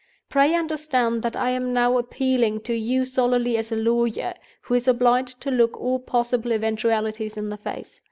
Pray understand that I am now appealing to you solely as a lawyer, who is obliged to look all possible eventualities in the face.